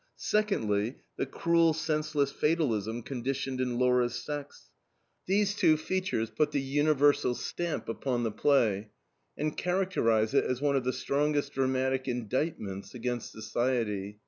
Secondly, the cruel, senseless fatalism conditioned in Laura's sex. These two features put the universal stamp upon the play, and characterize it as one of the strongest dramatic indictments against society.